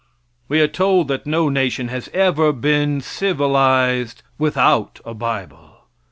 We are told that no nation has ever been civilized without a bible.